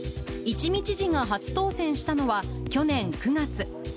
一見知事が初当選したのは、去年９月。